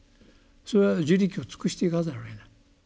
それは自力を尽くしていかざるをえない。